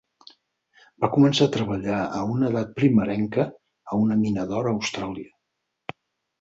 Va començar a treballar a una edat primerenca, a una mina d"or a Austràlia.